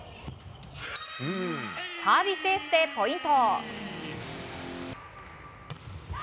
サービスエースでポイント。